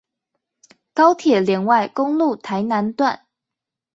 高鐵聯外公路臺南段